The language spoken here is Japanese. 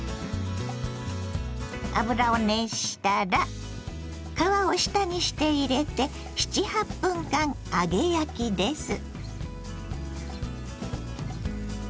油を熱したら皮を下にして入れて７８分間揚げ焼きです。